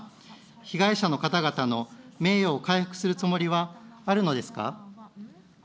被害者の方々の名誉を回復するつもりはあるのですか。